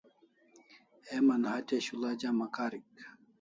Heman hatya shul'a jama karik